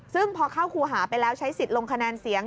ซึ่งพอเข้าครูหาไปแล้วใช้สิทธิ์ลงคะแนนเสียง